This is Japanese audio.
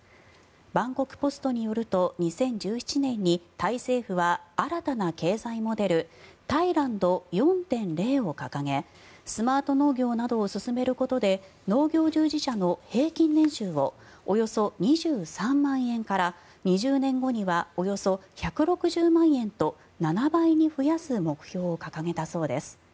バンコク・ポストによると２０１７年にタイ政府は新たな経済モデルタイランド４．０を掲げスマート農業などを進めることで農業従事者の平均年収をおよそ２３万円から２０年後にはおよそ１６０万円と７倍に増やす目標を掲げたそうです。